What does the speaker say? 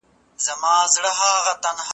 بې وسي